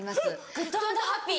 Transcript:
グッド＆ハッピー？